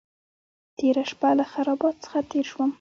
تېره شپه له خرابات څخه تېر شوم.